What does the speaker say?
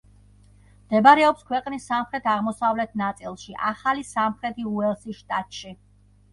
მდებარეობს ქვეყნის სამხრეთ-აღმოსავლეთ ნაწილში, ახალი სამხრეთი უელსის შტატში.